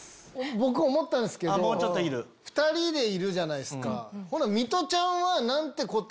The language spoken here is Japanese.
僕思ったんですけど２人でいるじゃないですか。